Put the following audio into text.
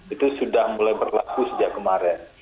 itu sudah mulai berlaku sejak kemarin